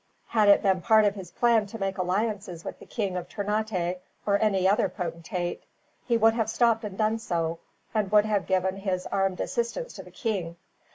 "Had it been part of his plan to make alliances with the King of Ternate, or any other potentate, he would have stopped and done so; and would have given his armed assistance to the king.